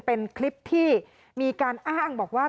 เป็นคลิปที่มีการอ้างบอกว่า